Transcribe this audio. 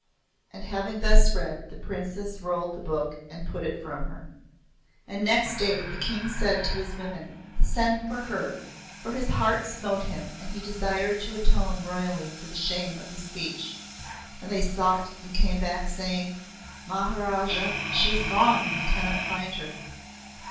And having thus read the Princess rolled the book and put it from her. And next day, the King said to his women; "Send for her," for his heart smote him and he desired to atone royally for the shame of his speech. And they sought and came back saying; "Maharaj, she is gone. We cannot find her."